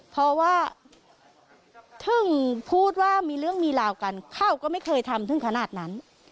เพราะว่าถึงพูดว่ามีเรื่องมีราวกันเขาก็ไม่เคยทำถึงขนาดนั้น